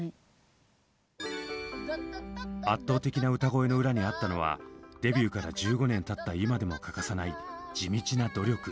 圧倒的な歌声の裏にあったのはデビューから１５年たった今でも欠かさない地道な努力。